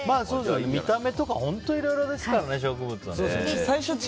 見た目とか、本当いろいろですからね、植物は。